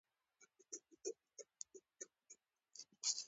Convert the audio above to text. زردالو د ښایست لپاره خوړل کېږي.